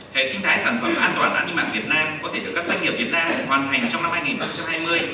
hệ sinh thái sản phẩm an toàn an ninh mạng việt nam có thể được các doanh nghiệp việt nam hoàn thành trong năm hai nghìn hai mươi